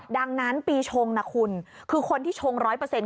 ดังนั้นปีชงนะคุณคือคนที่ชงร้อยเปอร์เซ็น